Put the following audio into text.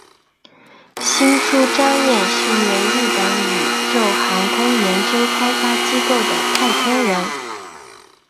星出彰彦是一位日本宇宙航空研究开发机构的太空人。